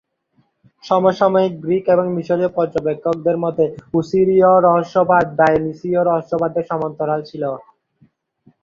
সমসাময়িক গ্রীক এবং মিশরীয় পর্যবেক্ষকদের মতে ওসিরীয় রহস্যবাদ ডায়োনিসীয় রহস্যবাদের সমান্তরাল ছিল।